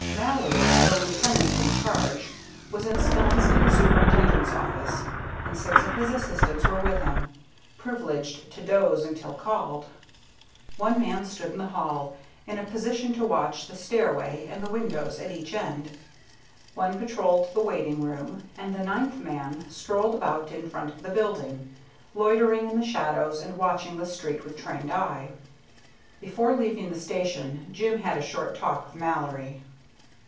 Mallory, the lieutenant in charge, was ensconced in the Superintendent's office, and six of his assistants were with him, privileged to doze until called. One man stood in the hall, in a position to watch the stairway and the windows at each end; one patrolled the waiting room; and the ninth man strolled about in front of the building, loitering in the shadows and watching the street with trained eye. Before leaving the station Jim had a short talk with Mallory.